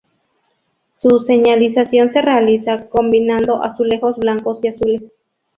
Su señalización se realiza combinando azulejos blancos y azules.